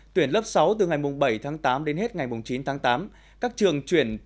tuyển lớp sáu từ ngày bảy tháng tám đến hết ngày chín tháng tám